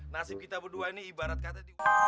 nasib kita berdua ini ibarat kata diubah